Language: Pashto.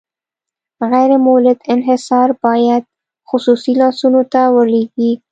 غیر مولد انحصار باید خصوصي لاسونو ته ولویږي.